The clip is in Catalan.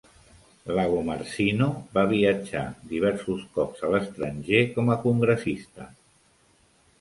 Lagomarsino va viatjar diversos cops a l'estranger com a congressista.